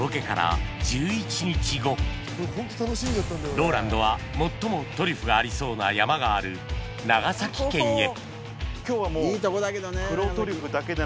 ＲＯＬＡＮＤは最もトリュフがありそうな山がある長崎県へ今日はもう。